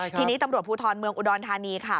ทีนี้ตำรวจภูทรเมืองอุดรธานีค่ะ